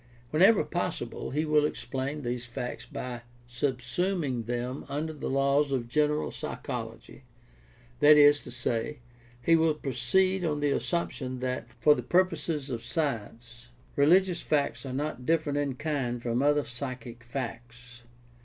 Whenever possible, he will "explain" these facts by subsuming them under the laws of general psychology, that is to say, he will proceed on the assumption that, for the purposes of science, reli PRACTICAL THEOLOGY 667 gious facts are not different in kind from other psychic facts.